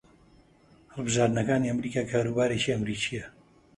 هەڵبژارنەکانی ئەمریکا کاروبارێکی ئەمریکییە